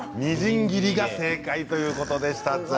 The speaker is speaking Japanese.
みじん切りが正解ということでした。